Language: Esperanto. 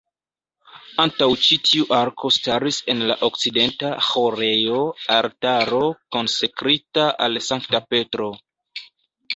Antaŭ ĉi tiu arko staris en la okcidenta ĥorejo altaro konsekrita al Sankta Petro.